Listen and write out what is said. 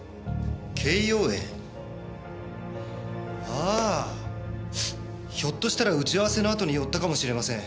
ああひょっとしたら打ち合わせのあとに寄ったかもしれません。